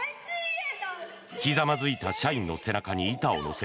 ひざまずいた社員の背中に板を乗せ